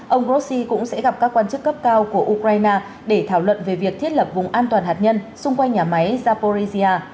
ông grossi cũng sẽ gặp các quan chức cấp cao của ukraine để thảo luận về việc thiết lập vùng an toàn hạt nhân xung quanh nhà máy zaporizia